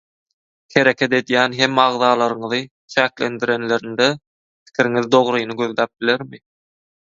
Hereket edýän hemme agzalaryňyzy çäklendirenlerinde pikiriňiz dogryny gözläp bilermi?